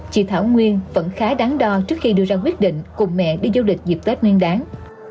chị thảo nguyên vẫn khá đáng đo trước khi đưa ra quyết định cùng mẹ đi du lịch dịp tết nguyên đáng